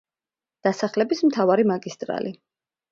დასახლების მთავარი მაგისტრალი.